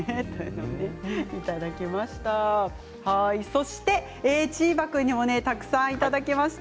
そしてチーバくんにもたくさんいただきました。